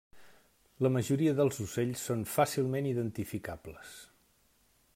La majoria dels ocells són fàcilment identificables.